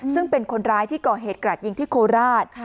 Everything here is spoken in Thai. ซึ่งเป็นคนร้ายที่ก่อเหตุกระดยิงที่โคราช